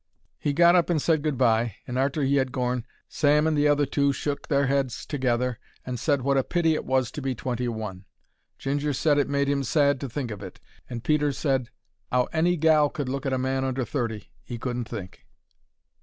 He got up and said good bye, and arter he 'ad gorn, Sam and the other two shook their leads together and said what a pity it was to be twenty one. Ginger said it made 'im sad to think of it, and Peter said 'ow any gal could look at a man under thirty, 'e couldn't think.